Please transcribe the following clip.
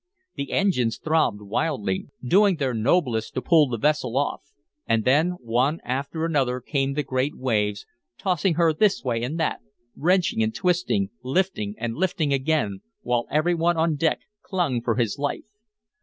The engines throbbed wildly, doing their noblest to pull the vessel off; and then one after another came the great waves, tossing her this way and that, wrenching and twisting, lifting and lifting again, while every one on deck clung for his life.